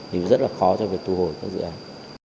thì rất là khó cho việc thu hồi các dự án